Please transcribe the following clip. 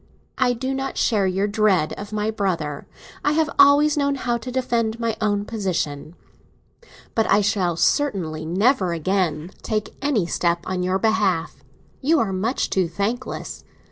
I do not share your dread of my brother; I have always known how to defend my own position. But I shall certainly never again take any step on your behalf; you are much too thankless.